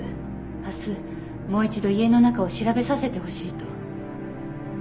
明日もう一度家の中を調べさせてほしいと。